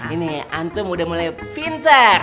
ini antum udah mulai pintar